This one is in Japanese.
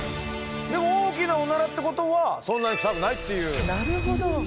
でも大きなオナラってことはそんなにクサくないっていうことなんですね